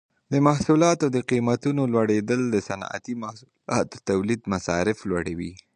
د محصولاتو د قیمتونو لوړیدل د صنعتي محصولاتو تولید مصارف لوړوي.